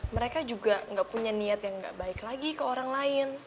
mereka juga gak punya niat yang gak baik lagi ke orang lain